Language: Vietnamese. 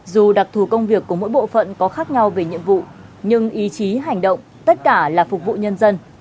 dù đặc thù công việc của mỗi bộ phận có khác nhau về nhiệm vụ nhưng ý chí hành động tất cả là phục vụ nhân dân